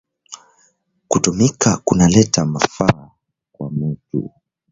Kutumika kuna leta mafaa kwa mutu